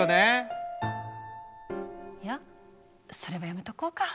いやそれはやめとこうか。